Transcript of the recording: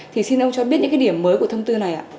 thì xin ông cho biết những cái điểm mới của thông tư này ạ